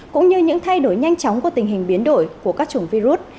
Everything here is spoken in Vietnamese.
cũng như những thay đổi nhanh chóng của tình hình biến đổi của các chủng virus